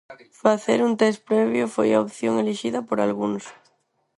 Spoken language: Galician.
Facer un test previo foi a opción elixida por algúns.